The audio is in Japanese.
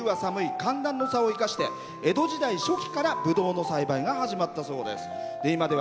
寒暖の差を生かして江戸時代初期からぶどうの栽培が始まったそうです。